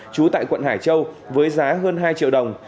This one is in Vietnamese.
trú tại quận hải châu với giá hơn hai triệu đồng